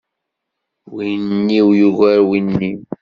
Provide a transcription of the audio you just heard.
Win-iw yugar win-im.